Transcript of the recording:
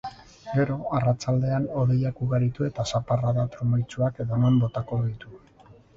Gero, arratsaldean hodeiak ugaritu eta zaparrada trumoitsuak edonon botako ditu.